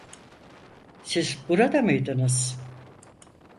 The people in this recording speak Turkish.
Siz burada mıydınız?